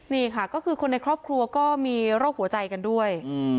นี่ค่ะก็คือคนในครอบครัวก็มีโรคหัวใจกันด้วย